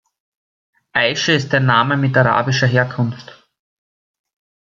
Ayşe ist ein Name mit arabischer Herkunft.